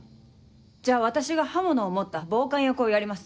じゃあ私が刃物を持った暴漢役をやります。